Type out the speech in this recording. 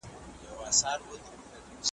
خلک ورو ورو له ظالم سره روږدیږي ,